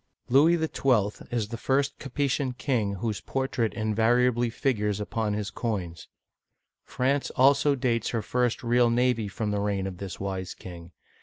Louis XII. is the first Capetian king whose portrait inva riably figures upon his coins. France also dates her first real navy from the reign of this wise king.